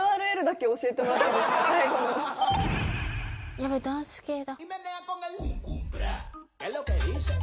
ヤバいダンス系だ。